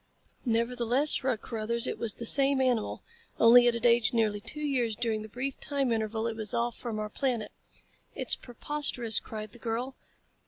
"Nevertheless," shrugged Carruthers. "It was the same animal only it had aged nearly two years during the brief time interval it was off from our planet." "It's preposterous," cried the girl.